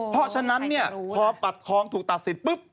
เพราะฉะนั้นพอบัตรทองถูกตัดสิทธิ์